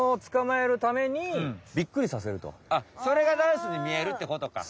いまのはそれがダンスにみえるってことか。